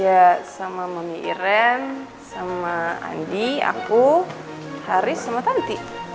ya sama mimi iren sama andi aku haris sama tante